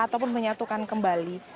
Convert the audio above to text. ataupun menyatukan kembali